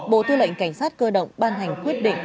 bộ tư lệnh cảnh sát cơ động ban hành quyết định